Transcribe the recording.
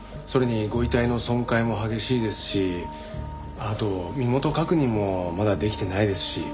それにご遺体の損壊も激しいですしあと身元確認もまだできてないですし。